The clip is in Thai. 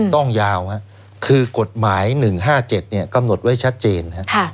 ต้องยาวคือกฎหมาย๑๕๗กำหนดไว้ชัดเจนนะครับ